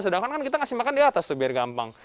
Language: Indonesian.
sedangkan kan kita ngasih makan di atas tuh biar gampang